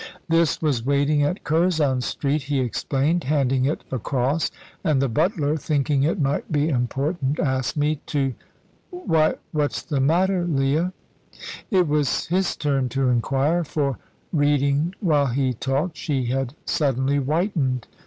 "This was waiting at Curzon Street," he explained, handing it across, "and the butler, thinking it might be important asked me to Why, what's the matter, Leah?" It was his turn to inquire, for, reading while he talked, she had suddenly whitened.